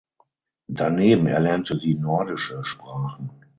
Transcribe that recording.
Daneben erlernte sie nordische Sprachen.